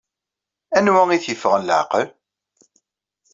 Anwa i t-yeffɣen laɛqel?